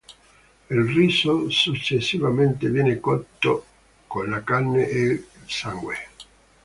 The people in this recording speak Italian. Il riso successivamente viene cotto con la carne e il sangue.